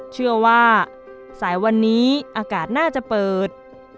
เชื่อว่าสายวันนี้อากาศน่าจะเปิด